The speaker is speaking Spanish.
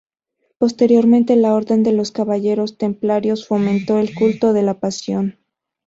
Posteriormente, la Orden de los Caballeros Templarios fomentó el culto de la Pasión.